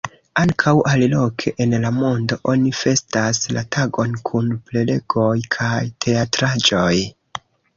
Ankaŭ aliloke en la mondo oni festas la tagon kun prelegoj kaj teatraĵoj.